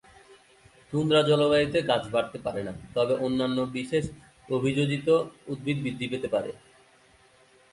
Tundra জলবায়ুতে গাছ বাড়তে পারে না, তবে অন্যান্য বিশেষ অভিযোজিত উদ্ভিদ বৃদ্ধি পেতে পারে।